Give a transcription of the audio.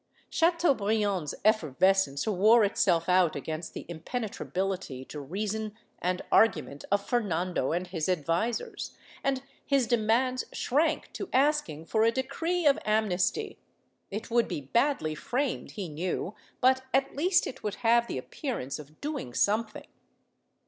Chateaubriand's effervescence wore itself out against the impenetrability to reason and argument of Fer nando and his advisers, and his demands shrank to asking for a decree of amnesty— it would be badly framed, he knew, but at least it would have the appearance of doing something.